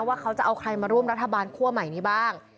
ว่าเขาจะเอาใครมาร่วมรัฐบาลคั่วใหม่นี้บ้าง